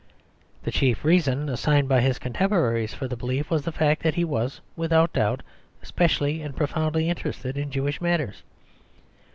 The chief reason assigned by his contemporaries for the belief was the fact that he was, without doubt, specially and profoundly interested in Jewish matters.